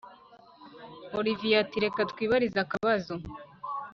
olivier ati”reka kwibarize akabazo